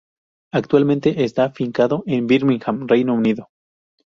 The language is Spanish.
Actualmente está afincado en Birmingham, Reino Unido.